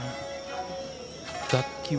楽器は。